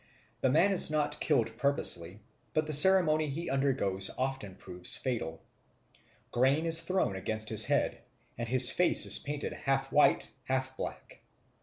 The man is not killed purposely, but the ceremony he undergoes often proves fatal. Grain is thrown against his head, and his face is painted half white, half black."